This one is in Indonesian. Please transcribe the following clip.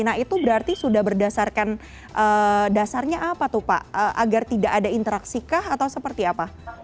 nah itu berarti sudah berdasarkan dasarnya apa tuh pak agar tidak ada interaksi kah atau seperti apa